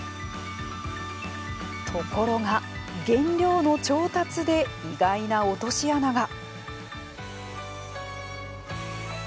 ところが原料の調達で意外な落とし穴が。